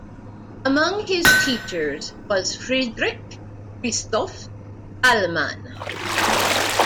Among his teachers was Friedrich Christoph Dahlmann.